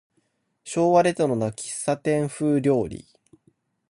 昭和レトロな喫茶店風料理